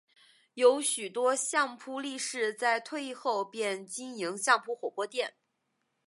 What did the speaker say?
有许多相扑力士在退役后便经营相扑火锅店。